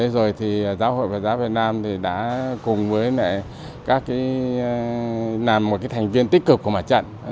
giáo hội phật giáo việt nam đã làm thành viên tích cực của mặt trận